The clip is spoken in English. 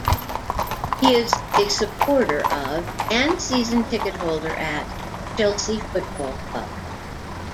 He is a supporter of, and season ticket holder at, Chelsea football club.